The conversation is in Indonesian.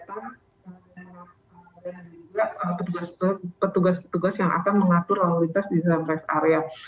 dan juga petugas petugas yang akan mengatur lalu lintas di dalam rest area